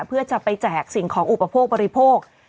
เพื่อจะไปแจกสิ่งของอุปโภคบริโภค